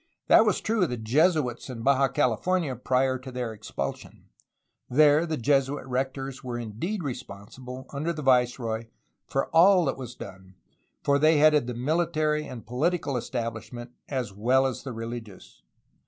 That was true of the Jesuits in Baja California prior to their expulsion; there the Jesuit rectors were indeed responsible, under the viceroy, for all that was done, for they headed the military and poli tical establishment as well as the religious.